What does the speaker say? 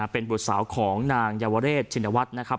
เป็นบุตรสาวของนางเยาวเรศชินวัฒน์นะครับ